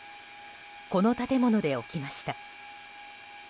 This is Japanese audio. この建物で起きました。